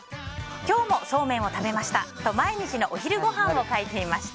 今日もそうめんを食べましたと毎日のお昼ごはんを書いていました。